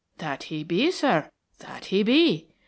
"That he be, sir, that he be.